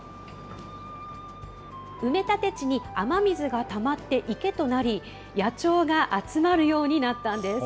埋立地に雨水がたまって池となり、野鳥が集まるようになったんです。